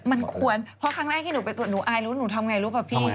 มันควรเพราะครั้งแรกที่หนูไปตรวจหนูอายรู้หนูทำไงรู้ป่ะพี่